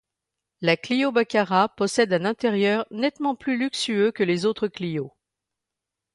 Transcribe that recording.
La Clio Baccara possède un intérieur nettement plus luxueux que les autres Clio.